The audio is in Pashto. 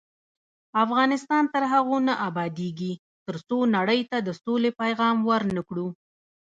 افغانستان تر هغو نه ابادیږي، ترڅو نړۍ ته د سولې پیغام ورنکړو.